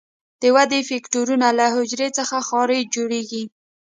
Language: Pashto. د ودې فکټورونه له حجرې څخه خارج جوړیږي.